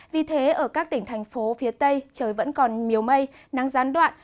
vì thế ở các tỉnh thành phố phía tây trời vẫn còn miếu mây nắng gián đoạn